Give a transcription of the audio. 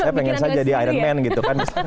saya pengen saja di iron man gitu kan